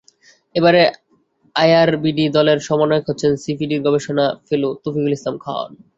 এবারের আইআরবিডি দলের সমন্বয়ক হচ্ছেন সিপিডির গবেষণা ফেলো তৌফিকুল ইসলাম খান।